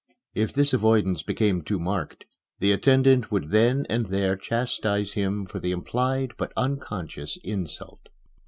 If this avoidance became too marked, the attendant would then and there chastise him for the implied, but unconscious insult.